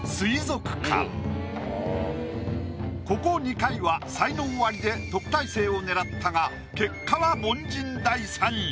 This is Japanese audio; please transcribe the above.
ここ２回は才能アリで特待生を狙ったが結果は凡人第３位。